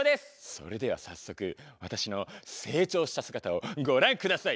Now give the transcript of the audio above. それでは早速私の成長した姿をご覧下さい。